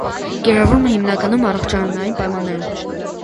Կիրառվում է հիմնականում առողջարանային պայմաններում։